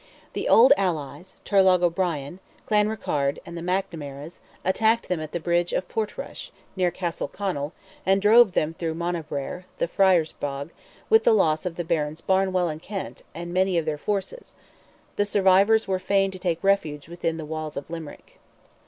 The old allies, Turlogh O'Brien, Clanrickarde, and the McNamaras, attacked them at the bridge of Portrush, near Castleconnell, and drove them through Monabraher ("the friar's bog"), with the loss of the Barons Barnwall and Kent, and many of their forces; the survivors were feign to take refuge within the walls of Limerick.